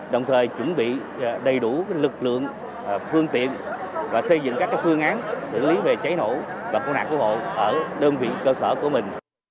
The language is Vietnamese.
đồng thời chuẩn bị đầy đủ lực lượng phương tiện và xây dựng các phương án xử lý về cháy nổ và cứu nạn cứu hộ ở đơn vị cơ sở của mình